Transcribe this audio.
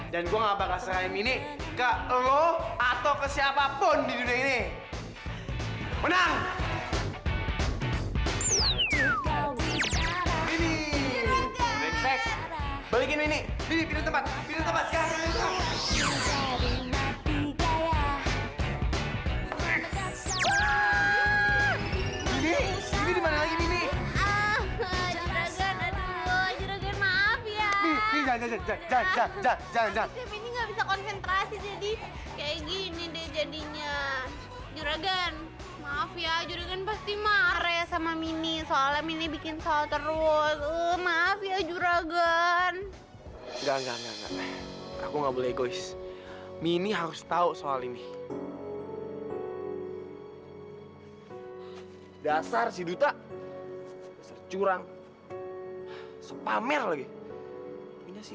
dan sam putri dan lelaki miskin itu hidup bahagia